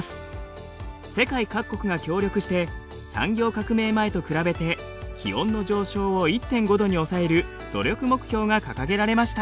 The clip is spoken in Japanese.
世界各国が協力して産業革命前と比べて気温の上昇を１．５度に抑える努力目標が掲げられました。